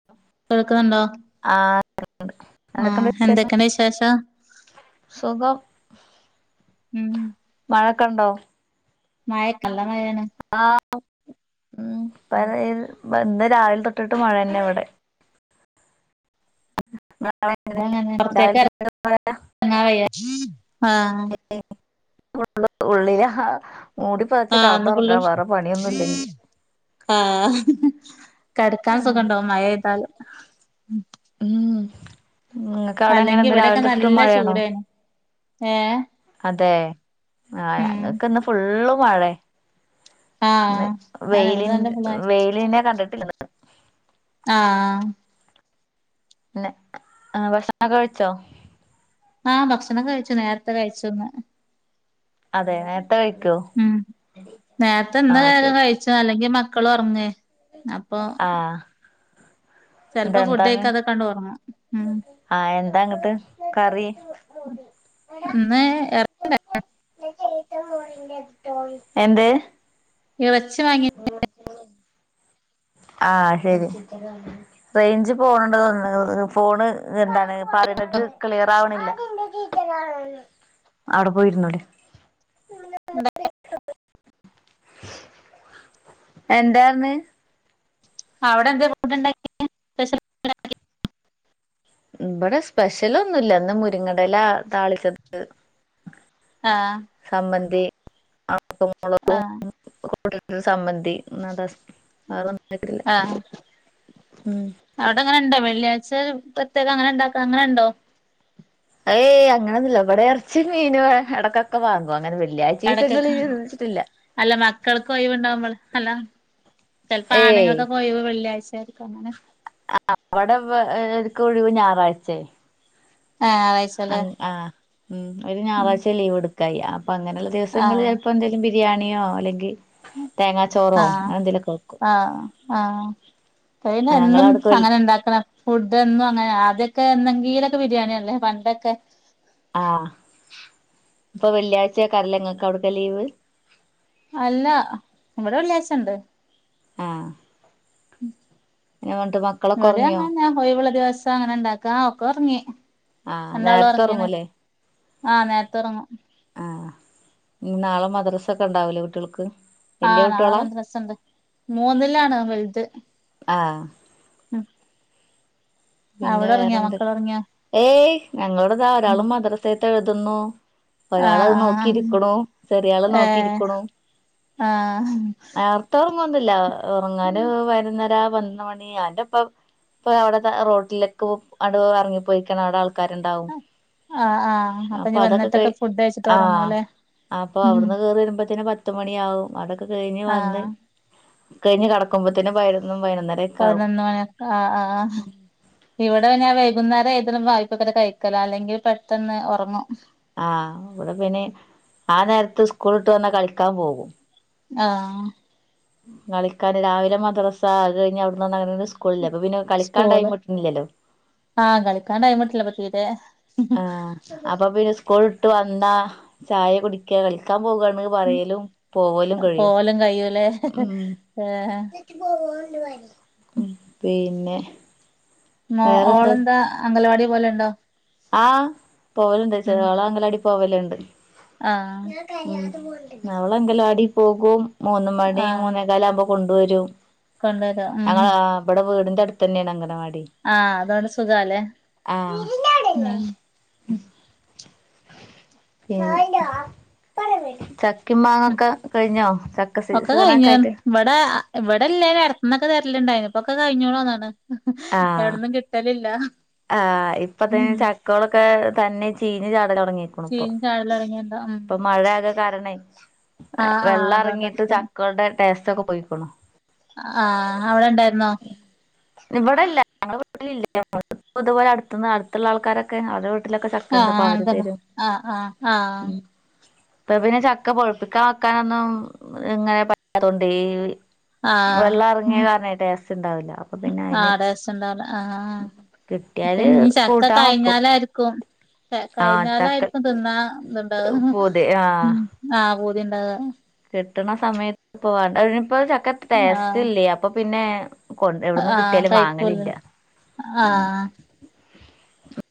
[inaudible] കേൾക്കുന്നുണ്ടോ? ആഹ് കേൾക്കുണ്ട്, എന്തൊക്കെയുണ്ട് ആഹ് വിശേഷം? എന്തൊക്കെണ്ട് വിശേഷം സുഖം. ഉം. മഴെയോക്കെയുണ്ടോ? മഴ നല്ലമഴയാണ്. ആഹ് ഉം പറയ് ഇന്ന് രാവിലെ തൊട്ടിട്ട് മഴ തന്നെയാ ഇവിടെ. രാവിലെ നനഞ്ഞെടുത്തേക്ക് തൊട്ടിട്ട് മഴ ഇറങ്ങാൻ വയ്യ ആഹ്. ഉള്ളിലാ മൂടിപ്പൊതച്ച് ആഹ് ഇന്ന് ഫുള്ള് കടന്നുറങ്ങാ വേറെ പണിയൊന്നുല്ലെങ്കി. ആഹ് കിടക്കാൻ സുഖം ഉണ്ടാവും മഴ പെയ്താല്. ഉം നിങ്ങക്കവിടെ അല്ലെങ്കി എങ്ങനെയുണ്ട് ഇവിടെക്കെ രാവിലെ തൊട്ടിട്ട് നല്ല മഴയാണോ? ചൂടേനു ഏഹ്. അതേ ആഹ് ഉം ഞങ്ങക്കിന്ന് ഫുള്ള് മഴയാ. ഇന്ന് ആഹ് അതെന്നെ ഇവിടെ നല്ല വെയിലിൻ്റ് ഫുള്ള് വെയിലിനെ കണ്ടിട്ടില്ലിന്ന്. ആഹ്. പിന്നെ ആഹ് ഭക്ഷണൊക്കെ കഴിച്ചോ? ആഹ് ഭക്ഷണം കഴിച്ചു നേരത്തെ കഴിച്ചു ഇന്ന്. അതെ നേ ഉം നേരത്തെ ഇന്ന് ആഹ് നേരം ശരി കഴിച്ചതാ അല്ലെങ്കി മക്കളൊറങ്ങേ അപ്പൊ. ആഹ്. എന്നിട്ട് ചെലപ്പോ ഫുഡ് എന്താണ് കഴിക്കാതൊക്കെയങ്ങട് ഒറങ്ങും. ആഹ് എന്താ എന്നിട്ട് കറി? ഇന്ന് എറ എന്ത്? ഇറച്ചി വാങ്ങിയോ? ഓഹ്. ആഹ് ശരി റേയ്ഞ്ച് പോണുണ്ട് തോന്ന്ണ് ഫോണ്. എന്താണ് പറയ്ണത് ക്ലിയർ ആവണില്ല, അവിടെ പോയിരുന്നോളി. [unintelligible] [inaudible] എന്താ ആന്ന്. അവിടെ എന്തേ ഫുഡ് ഉണ്ടാക്കിയെ? ഇവിടെ സ്പെഷ്യലൊന്നുല്ല ഇന്ന് മുരിങ്ങേടെ ഇല താളിച്ചത്. ആഹ്. ചമ്മന്തി [unintelligible] മുളകും. ആഹ് [unintelligible] സമ്മന്തി ഇന്ന് അതാ സ് വെറൊന്നു ഇല്ല ആഹ് ഉം. അവിടെ അങ്ങനെയുണ്ടോ വെള്ളിയാഴ്ച പ്രത്യേക അങ്ങനെയുണ്ടാക്ക അങ്ങനെയുണ്ടോ? ഏയ് അങ്ങനൊന്നുല്ല ഇവിടെ എർച്ചിം, മീനും എടയ്ക്കൊക്കെ വാങ്ങും അങ്ങനെ ഇടക്കൊക്കെ വെള്ളിയായ്ച്ചീസങ്ങളില്ന്ന് വെച്ചിട്ട്. അല്ല മക്കൾക്കൊഴിവുണ്ടാവുമ്പോള് അല്ല. ചിലപ്പോ ഏയ് ആണുങ്ങൾക്കൊക്കെ ഒഴിവ് വെള്ളിയാഴ്ച ആയിരിക്കും അങ്ങനെ. ആഹ് ഇവിടെ ഓർക്ക് ഒഴിവു ഞായറാഴ്ച്ചയാ. ആഹ് ഞാ ആഹ് ഉം ഒരു ഞായറാഴ്ച ലീവ് എടുക്കാ ചെയ്യാ അപ്പൊ അങ്ങനെയുള്ള ദിവസങ്ങള് ആഹ് ചിലപ്പോ എന്തേലും. ബിരിയാണിയോ അല്ലെങ്കി തേങ്ങാ ചോറോ ആഹ് അങ്ങനെ എന്തേലൊക്കെ വെക്കും. ഞങ്ങള് ട്രൈനെന്നും അവിടക്ക് വെ അങ്ങനെ ഇണ്ടാക്കണം ഫുഡ് എന്നും അങ്ങനെ ആദ്യൊക്കെ എന്നെങ്കീലൊക്കെ ബിരിയാണി അല്ലേ പണ്ടൊക്കെ. ആഹ് ഇപ്പൊ വെള്ളിയാച്ചാക്കാറില്ലെ ഇങ്ങക്കവിടക്ക ലീവ് അല്ല ഇവിടെല്ലാസൊണ്ട് ആഹ് പിന്നെ എന്നിട്ട് മക്കളൊക്കെ ഉറങ്ങിയോ ഇവിടേയങ്ങന്ന ഒഴിവുള്ള ദിവസം അങ്ങനെ ഇണ്ടാക്ക ആഹ് ഒക്കൊറങ്ങി ആഹ് രണ്ടാള് നേരത്തെ ഉറങ്ങേണ് ഉറങ്ങൂലേ ആഹ് നേരത്തെ ഒറങ്ങും ആഹ് ഇനി നാളെ മദ്രസ ഒക്കെ ഇണ്ടാവില്ലേ കുട്ട്യൾക്ക് ആഹ് നാളെ മദ്രസെണ്ട് മൂന്നിലാണ് വലുത്. ആഹ് ഉം പിന്നെ അവിടൊങ്ങിയാ വേറെന്തൊ മക്കളൊറങ്ങിയാ ഏയ് ഞങ്ങളുട ദാ ഒരാളും മദ്രസേത്ത് എഴുതുന്നു ആഹ് ഒരാളത് ആഹ് നോക്കിരിക്കണു ചെറിയാള് ഏഹ് നോക്കിരിക്കണു ആഹ് ആർ ത്തൊർങ്ങൊന്നുല്ല ഒറങ്ങാന് പതിനൊന്നര പന്ത്രണ്ട് മണി ഞാന്റൊപ്പം ഇപ്പ അവിടെത്തെ റോ ട്ടിലൊക്കെ അടു ഇറങ്ങി പോയിക്കണ് അവിടെ ആൾക്കാരെണ്ടാവും ആഹ് ആഹ് അപ്പൊ ഇഞ്ഞി വന്നിട്ടൊക്കെ ഫുഡയ്ച്ചിട്ട് ആഹ് ഒറങ്ങുവല്ലേ അപ്പൊ അവിടുന്ന് കയറിവരുമ്പോത്തേനും പത്ത് മണിയാവും അതൊക്കെ കഴിഞ്ഞ് വന്ന് ആഹ് കഴിഞ്ഞ് കെടക്കുമ്പത്തേന് പൈനൊന്ന് പൈനൊന്നരെ പതിനൊന്ന് മണിയക്ക ആഹ് ആഹ് ഇവിടെ പിന്നെ വൈകുന്നേരം ഏതിനും വായ്പൊക്കെ കഴിഞ്ഞ് കഴിക്കലോ അല്ലെങ്കിൽ പെട്ടെന്ന് ഒറങ്ങും ആഹ് ഇവിടെ പിന്നെ ആ നേരത്ത് സ്കൂള് വിട്ട് വന്നാ കളിക്കാൻ പോകും ആഹ് കളിക്കാന് രാവിലെ മദ്രസ അത് കഴിഞ്ഞ് അവിടുന്ന് വന്നങ്ങന സ്കൂളില്ലെ അപ്പപിന്നെ സ്കൂള് ആഹ് കളിക്കാൻ ടൈമെടുത്തില്ല അപ്പ തീരേ ആഹ് അപ്പൊ പിന്നെ സ്കൂൾ വിട്ട് വന്നാ ചായ കുടിക്ക കളിക്കാൻ പോകാണ് പറയലും പോവലും കഴിയും പോവലും കഴിയുലേ ഉം ഏഹ് ഉം പിന്നെ മോ വേറെന്താ ഓളന്താ അംഗലവാടി പോലെണ്ടോ? ആഹ് പോവലിണ്ട് ചെറിയോള് അങ്കലവാടി പോകലിണ്ട് ആഹ് ഉം അവളംഗലവാടി പോകും മൂന്ന് മണി ആഹ് മൂന്നേ കാലാവുമ്പോ കൊണ്ടുവരും കൊണ്ടുവരും ഞങ്ങള ഉം ആഹ് ഇവിടെ വീടിന്റെ അടുത്ത് തന്നേണ് അംങ്കനവാടി. ആഹ് അതാണ് സുഖാല്ലേ ഉം [unintelligible] പിന്നെ ച ക്കിം ഉം മാങ്ങൊക്കെ കഴിഞ്ഞോ ചക്ക ഒക്കെ സീസനൊക്കെ കഴിഞ്ഞ് ആയിട്ട് ഇവിടെ ഇവിടെല്ലേലും അടത്ത്ന്നൊക്കെ തരലിണ്ടായിനി ഇപ്പൊക്കെ കഴിഞ്ഞോളന്നാണ് ആഹ് എവിടുന്നും കി ട്ടലില്ല ആഹ് ഇപ്പ ദേ ചക്കോളൊക്കെ തന്നെ ചീഞ്ഞ [unintelligible] തൊടങ്ങീക്കണു ഇപ്പൊ ചീഞ്ഞ് ചാടല് തൊടങ്ങിയണ്ടോ ഉം ഇപ്പൊ മഴയാകാ കാരണെ ആഹ് ആഹ് വെള്ളം എറങ്ങിയിട്ട് അതോണ്ടായിരിക്കും ചക്കൾടെ ടേസ്റ്റക്കെ പോയിക്കണു ആഹ് അവിടെണ്ടായിരുന്നോ ഇവിടെല്ല ഞങ്ങളുടെ വീട്ടിലില്ല [unintelligible] ഇതുപോലെ അടുത്ത്ന്ന് അടുത്തുള്ള ആൾക്കാരൊക്കെ അവർടെ വീ ട്ടിലക്കെ ചക്കെണ്ട് ആഹ് അപ്പ അതന്നെ അവരുതരും ആഹ് ആഹ് ആഹ് ഉം ഇപ്പ പിന്നെ ചക്ക പൊഴുപ്പിക്കാൻ വെക്കാനൊന്നും ഇങ്ങനെ പറ്റാത്തോണ്ടേ ഈ ആഹ് വെള്ളം ഇറങ്ങിയ കാരണേ ടേ ആഹ് ടേസ്റ്റെണ്ടാവില്ല ആഹ് ഇപ്പ കിട്ടിയാല് ഇഞ്ഞി ചക്ക കൂട്ടാൻ വെക്കും കഴിഞ്ഞാലായിരിക്കും ആഹ് ചക്ക കഴിഞ്ഞാലായിരിക്കും തിന്ന ഇതുണ്ടാവുക പൂതി ആഹ് ഉം ആഹ് പൂതി ഇണ്ടാവുക കിട്ടണ സമയത്ത് ഇപ്പൊ വേണ്ട ഇനിപ്പോ ചക്കക്ക് ആഹ് ടേസ്റ്റ് ഇല്ല്യ അപ്പൊ പിന്നെ കൊൻട് എവിടിന്ന് ആഹ് കിട്ടിയാലും കഴിക്കൂലേ വാങ്ങലില്ല ഉം ആഹ്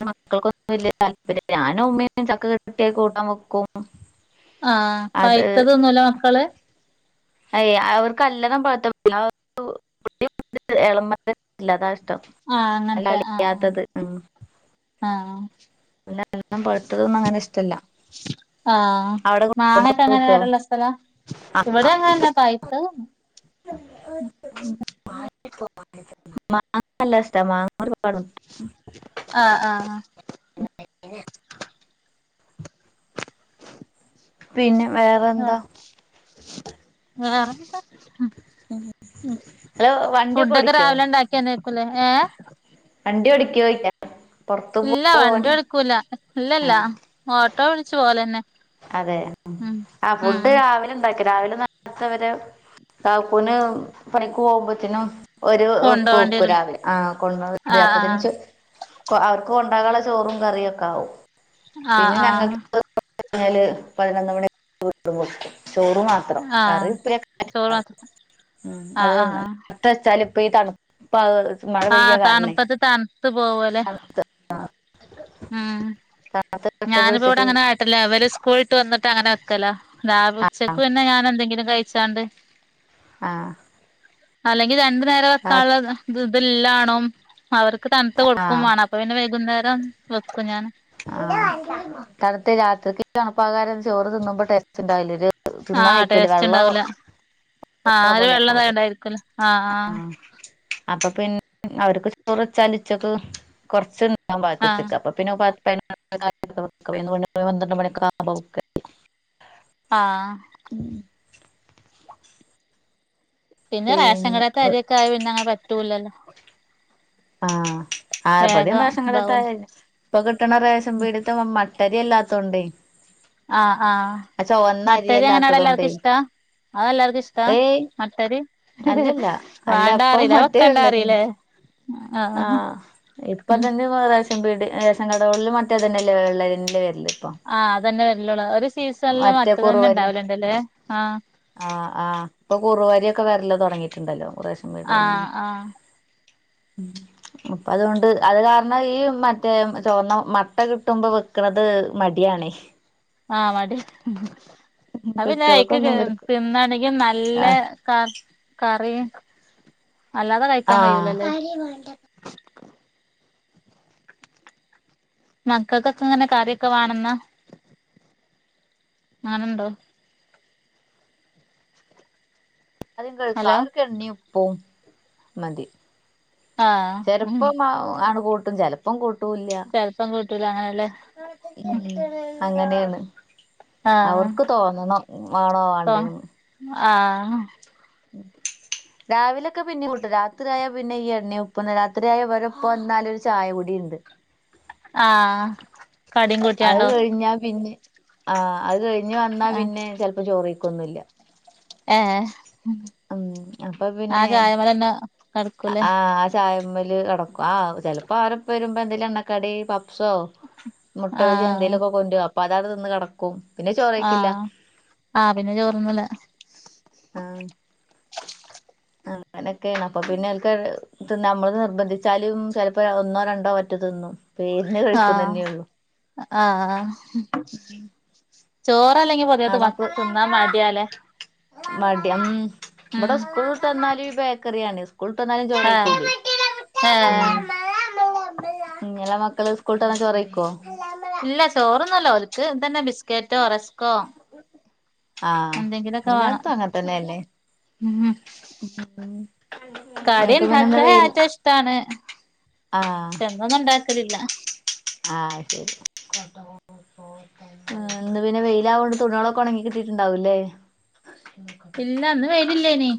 മക്കൾക്കൊന്നും വലിയ താല്പര്യില്ല ഞാന ഉമ്മയും ചക്ക കെട്ടിയി കൂട്ടാൻ വെക്കും ആഹ് അത് പഴത്തതൊന്നുമല്ല മക്കള് ഏഹ് അവർക്ക്ല്ലണം കൊഴ ഇളല്ലാതാ ഇഷ്ടം ആഹ് അങ്ങനത്തെ ആഹ് ല്ലളിയാത്തത് ഉം ആഹ് എല്ലാം [inaudible] പഴ്തതൊന്നും അങ്ങനെ ഇഷ്ടല്ല അവിടെ കട്ടോ [unintelligible] ഇവിടെങ്ങന്ന പഴിത്തത് [inaudible] മാങ്ങരല്ലത മങ്ങര കാ ആഹ് ആഹ് ആഹ് [inaudible] പിന്നെ വേറെ ആഹ് [unintelligible] ഉം ഹലോ വണ്ടിയൊക്കെ ഫുഡൊക്കെ ഓടിക്കോ രാവിലെ ഉണ്ടാക്കിയന്നക്കൂലേ ഏഹ് വണ്ടി ഓടിക്കോയിക്ക പുറത്തു ഇല്ല പോവാൻ വണ്ടി എടുക്കൂല്ല ആ ഇല്ലല്ല ഓട്ടോ വിളിച്ചു പോലെന്നെ അതെ ആഹ ഫുഡ് രാവിലെ ണ്ടാക്കി രാവിലെ നത്തവരെ കാക്കൂന് പണിക്ക് പോകുമ്പോത്തേനും ഒരു ഉപ്പ് കൊണ്ടോണ്ടിരു ഉക്കുരവി ആഹ് കൊണ്ട ആഹ് അപ്പന ആഹ് അവർക്ക് കൊണ്ടാകാനുള്ള ചോറും കറിയും ഒക്കെ ആകും ആഹ് പിന്നെ ആഹ് ഞങ്ങൾക്ക് കഴിഞ്ഞാല് പതിനൊന്ന് മണിടുമ്പോ ചോറ് മാത്രം ആഹ് കറി ചോറ് ഇപ്പഴൊക്കൊവ മാത്രം ഉം അത് ആഹ് [unintelligible] ആഹ് എത്ര വെച്ചാല ഇപ്പ ഈ തണുപ്പ മഴ പെയ്യ ആഹ് കാരണം തണുപ്പത്ത് തണുത്ത് പോവല്ലേ ആഹ് ഉം താത്ത കഷ്ടപടിച്ചിട്ട് അവര് സ്കൂളിട്ട് വന്നിട്ട് അങ്ങനെ വെക്കല ആഹ് ഉച്ചക്ക് പിന്നെ ഞാൻ എന്തെങ്കിലും കഴിച്ചാണ്ട് ആഹ് അല്ലെങ്കി രണ്ടു നേരം വെക്കാനുള്ള ഇ ഇതില്ലാണോ അവർക്ക് തണുത്ത ആ കൊടുക്കും വേണം അപ്പൊ പിന്നെ വൈകുന്നേരം വെക്കും ഞാൻ ആഹ് തണുത്ത് രാത്രിക്ക് തണുപ്പാകാര ചോറ് തിന്നുമ്പോ ടെസ്റ്റ് ഉണ്ടാവില്ല ഒരു തിന്നാൻ ആഹ് വെക്കൂല ടേസ്റ്റ് വെള്ളം ഉണ്ടാവൂല ഉള്ള ആഹ് ഒരു പോലെ വെള്ളം ആവൂലേ തണ്ടായിരിക്കൂല്ല ആഹ് ആഹ് അപ്പൊ പിന്നെ അവർക്ക് ചോറ ചലിച്ചക്ക് കൊറച്ച് നാൻ ആഹ് ഉച്ചക്ക് അപ്പൊ പിന്നെ ന്ത്രണെ [inaudible] ആഹ് പിന്നെ റേഷൻ കിടാത്ത അരിയൊക്കെ ആഹ് പിന്നങ്ങനെ പറ്റൂലല്ലോ ആഹ് ആഹ് ഇപടയും വേഗം റേഷൻ കടത്ത ഇതാവല്ലോ ഇപ്പൊ കിട്ടണ റേഷം വീടിത്തെ മ കുത്തരിയല്ലാത്തോണ്ട് ആഹ് ആഹ് അത്ചോറിനരി മട്ടരി അങ്ങനെ അവിടെ അരിയല്ലാത്തോണ്ടേ എല്ലാർക്കും ഇഷ്ടാ അത് എല്ലാർക്കും ഇഷ്ടാ ഏയ് മട്ടരി അല്ലല്ല അല്ല വേണ്ടാ അപ്പ പറയില്ലേ അത് മറ്റേ വെക്കണ്ടാ ഉള്ള പറയില്ലേ ആഹ് ഇപ്പ ഉം തന്നെ വീട് റേസൻ കടകളിൽ മറ്റേ അത് തന്നെല്ലേ വള്ളേ വരില് ആഹ് അതന്നെ വല്ലുള്ളു ഒരു സീസണല്ല മറ്റേ മറ്റ തന്നെ കുറുവരി ഉണ്ടാവലണ്ടല്ലേ ആഹ് ആഹ് ആഹ്പ്പൊ കുറുവരിയ ഒക്കെ വേറെല്ലോ തുടങ്ങിട്ടുണ്ടല്ലോശം ആഹ് ആഹ് ഉം അപ്പ അതുകൊണ്ട് അത് കാരണം ഈ മറ്റേ ചുവന്ന മട്ട കിട്ടുമ്പോ വെക്ക്ണത് മടിയണെ ആഹ് മടി അപ്പന്നയ്ക്ക് കുട്ടികൾക്കൊന്നും ഇവർക്ക് തിന്നാണെങ്കും നല്ല ആഹ് ക കറിയും അല്ലാതെ കഴിക്കാൻ കഴിയൂലല്ലേ [unintelligible] മക്കൾക്കൊക്കെ ഇങ്ങനെ കറിയൊക്കെ വണെന്നാ അങ്ങനെണ്ടോ [unintelligible] ഹലോ അവർക്ക്ണീപ്പും മതി ആഹ് ഉം ചെലപ്പം ആ ആണ്ട് കൂട്ടും ചെലപ്പം കൂട്ടൂല്ല ചെൽപ്പം കൂട്ടൂല അങ്ങനെലെ ഉം അങ്ങനെയാണ് ആഹ് അവർക്ക് തോന്നണം മാണോ ഇപ്പൊ വാണ്ടെന്ന് ആഹ് മം രാവിലെക്കെ പിന്നെ കൂട്ടും രാത്രിയായാൽ പിന്നെ ഇ ഉപ്പന്ന് രാത്രിയ ഉ പ്പ വ ന്നാൽ ഒരു ചായ കുടി ഉണ്ട് ആഹ് കടിം അഹ് കൂട്ടിയാണ്ടോ കഴിഞ്ഞാ പിന്നെ ആ അഹ് കഴിഞ്ഞ് വന്നാ ആഹ് പിന്നെ ചെൽപ്പം ചോർ കഴിക്കൊന്നുംല്ല ഏ ഏ ഉം അപ്പൊ ആ പിന്നെ ചായമലന്നെ കടുക്കൂലേ ആഹ് ആ ചായമ്മല് കിടക്കും ആ ചെലപ്പോൾ അവരപ്പ വരുമ്പോൾ എന്തേല്ലും എണ്ണക്കടി പപ്സോ മുട്ട വജി ആഹ് എന്തേലൊക്കെ കൊടോരും അപ്പൊ അതാ തിന്ന് കിടക്കും പിന്നെ ചോറ് കഴിക്കില്ല ആ പിന്നെ ചോറൊന്നുംല്ല ആഹ് അങ്ങനൊക്കെയാണ് അപ്പൊ പിന്നെഓൽക്ക് നമ്മള് നിർബന്ധിച്ചാലും ചിലപ്പോ ഒന്നോ രണ്ടോ വറ്റു തിന്നും പേരിന് ആഹ് കഴിക്കുന്നന്നെയുള്ളു ആഹ് ചോറല്ലെങ്കി പൊതുവെ ആണോക്ക് മക്കൾക്ക് തിന്നാ മടിയാലേ മടിയാ ഉം ഉം ഇവിടെ സ്കൂളിലട്ട്ന്നാലും ബേക്കറിയാണ് സ്കൂൾ ട്ട്ന്നാലും ആഹ് ചോറെയ്ക്കൂല ഏഹ് ഉം ഇങ്ങളെ മക്കള് സ്കൂൾട്ട് വന്നാ ചോറ് കഴിക്കോ ഇല്ല ചോറൊന്നല്ല ഒൽക്ക് ഇ തന്നെ ബിസ്ക്കറ്റോ റസ്കോ ആഹ് എന്തെങ്കിലൊക്കെ വേണം എല്ലായിടത്തും അങ്ങനെ തന്നെയല്ലേ ഉം ഉം കടി നിങ്ങക്ക് പിന്നെ ഇന്ന് ഉണ്ടാക്ക വെയിൽ ഏറ്റ ഇഷ്ടാണ് ആഹ് എ ന്നൊന്നും ഇണ്ടാക്കലില്ല ആഹ് ശരി [unintelligible] ആ ഇന്ന് പിന്നെ വെയില ആയോണ്ട് തുണിളെക്കെ ഉണങ്ങി കിട്ടീട്ടുണ്ടാവൂല്ലേ ഇല്ലന്ന് വെയിലി ല്ലേനി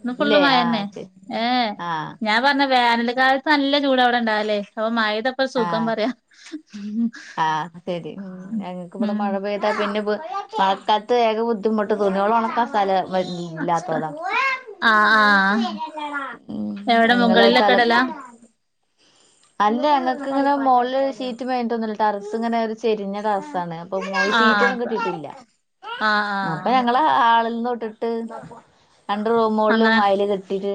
ഇന്ന് ഫുള്ള് ഇല്ലേ ആഹ് മായന്നെ ശരി ഏ ആഹ് ഞാൻ പറഞ്ഞ വേനൽ കാലത്ത് നല്ല ചൂട ഇ വിടെണ്ടാവല്ലേ അപ്പൊ മൈതപ്പ സുഖം ആഹ് പറയാം ഉ ആഹ് ശരി ഞങ്ങക്ക് ഇവിടെ ഉം മഴ പെയ പിന്നെ മഴ കാലത്ത് ഏക ബുദ്ധിമുട്ട് തുണി കള് ഉണക്കാൻ സ്ഥലം വ ഇല്ലാത്തതാ ആഹ് ആഹ് ഉ [inaudible] എവിടെ ഞങ്ങള് മുകളിലൊക്കെ തലക്ക് ഇടലാ അല്ല ഞങ്ങ ക്ക് ഇങ്ങനെ മോള്ള്ഷീറ്റ് മേഞ്ഞിട്ടൊന്നൂല്ല ടറസ് ഇങ്ങനെ ഒരു ചെരിഞ്ഞ ടറസാണ് അപ്പൊ ആഹ് സീറ്റന്നും അപ്പ കെട്ടിട്ടില്ല ആഹ് അപ്പൊ ആഹ് ഞങ്ങൾ ഹാളിന്ന്തൊ ട്ടിട്ട് രണ്ട് റൂമോള്ളും അങ്ങനെ അയ്ൽ കെട്ടീട്ട്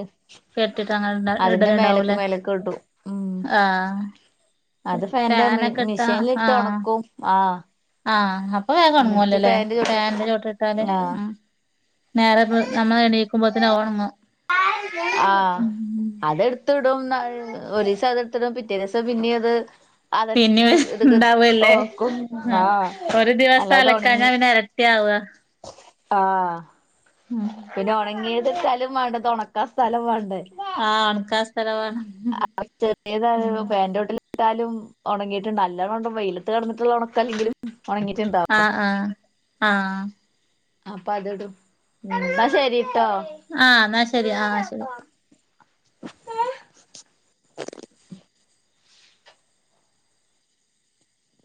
കെട്ടിട്ട് അങ്ങനെ അതിന്റെ ഇടല് മേലക്ക് ഇണ്ടാവൂല്ലേ മേലക്ക് ഇടും ഉം ആഹ് അത് ഫാന്റെ ഫാനൊക്കെ ഇട്ടാ മിഷിൻട്ട് ആഹ് ഉണക്കും ആഹ് ആഹ് അപ്പൊ വേഗം എന്നിട്ട് ഉണങ്ങുവല്ലോല്ലേ ഫാന്റെ ചോട്ടിൽ ഫാൻന്റെ ചോട്ടി ഇട്ടാല് ആഹ് ഉ നേരെ നമ്മള എണീക്കുമ്പോത്തിനന്അ ഹ്ഒണങ്ങും ആഹ് അതെ ട് ടുത്തിടും ഒരീസം അത് എടുത്തിടും പിറ്റേ ദിസം പിന്നെ അത് പിന്നെ അതന്നെ ഇത് ഉണ്ടാവല്ലേ ഉണക്കും ആ ഒരു ദിവസം അല്ലാത അലക്കാഞ്ഞാ ഉണങ്ങി പിന്നെ ഇരട്ടിയാവുക ആഹ് ഉം പിന്നെ ഉണങ്ങിയത് എടുത്താലും വേണ്ടേ ഉ ണക്കാൻ സ്ഥലം വേണ്ടേ ആ ഒണക്കാൻ സ്ഥലം വേണം ആ ചെറിയതാണ് ഫാന്റ് ചോട്ടില് ഇട്ടാലും ഉണങ്ങിയിട്ടുണ്ട് അല്ലേണ്ട വെയിലത്ത് കിടന്നിട്ടുള്ള ഉണക്കല്ലങ്കിലും ഉണങ്ങിട്ടുണ്ടാവും ആഹ് ആഹ് ആഹ് അപ്പൊ അതടും എന്നാ ശരിട്ടോ ആഹ് എന്നാ ശരി ആ ശരി.